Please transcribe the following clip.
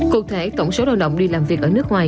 cụ thể tổng số lao động đi làm việc ở nước ngoài